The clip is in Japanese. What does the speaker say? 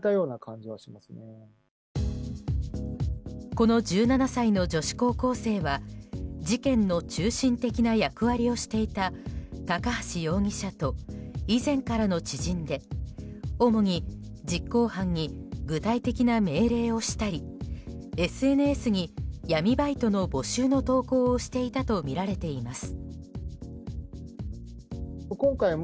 この１７歳の女子高校生は事件の中心的な役割をしていた高橋容疑者と以前からの知人で主に実行犯に具体的な命令をしたりＳＮＳに闇バイトの募集の投稿をしていたとみられています。